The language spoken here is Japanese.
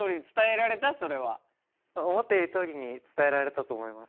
思っているとおりに伝えられたと思います。